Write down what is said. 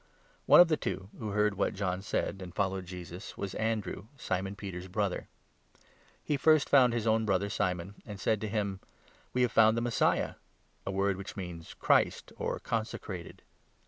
One of the two, who heard what John said and 40 followed Jesus, was Andrew, Simon Peter's brother. He first 41 found his own brother Simon, and said to him :" We have found the Messiah !" (a word which means ' Christ,' or ' Con secrated